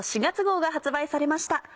４月号が発売されました。